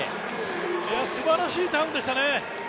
いや、すばらしいターンでしたね。